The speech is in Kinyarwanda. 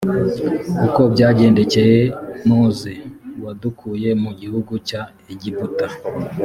uko byagendekeye mose wadukuye mu gihugu cya egiputa